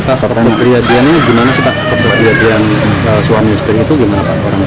pak perpergian ini gimana sih pak perpergian suami istrinya itu gimana pak